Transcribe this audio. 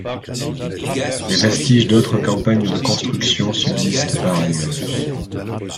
Des vestiges d'autres campagnes de construction subsistent par ailleurs.